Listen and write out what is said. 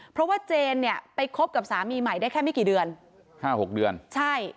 เพราะว่าเจนเนี่ยไปคบกับสามีใหม่ได้แค่ไม่กี่เดือนห้าหกเดือนใช่